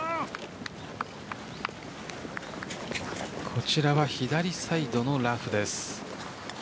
こちらは左サイドのラフです。